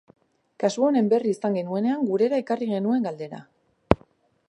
Kasu honen berri izan genuenean gurera ekarri genuen galdera.